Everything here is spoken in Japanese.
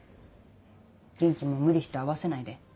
元気も無理して合わせないで。